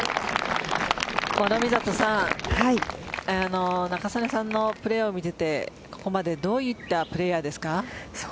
諸見里さん仲宗根さんのプレーを見ててここまでどういったプレーヤーですか。